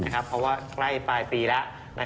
เพราะว่าใกล้ปลายปีแล้ว